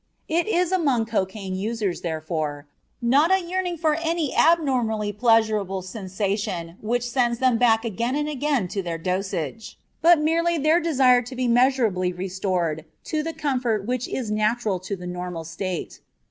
It is among cocaine users, therefore, not a yearning for any abnormally pleasurable sensation which sends them back again and again to their dosage, but merely their desire to be measurably restored to the comfort which is natural to the normal state.